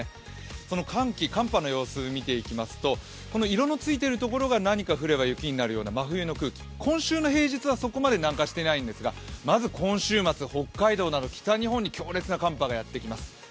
その寒気、寒波の様子を見ていきますと、色の付いているところが何か雪になるような真冬の空気、今週の平日はそこまで南下していないんですが、まず今週末、北日本に強烈は寒波がやってきます。